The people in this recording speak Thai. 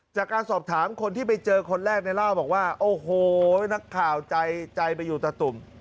จากการสอบถามคนที่ไปเจอคนแรกเนี่ยเล่าบอกว่าโอ้โหนักข่าวใจไปอยู่ตะตุ่ม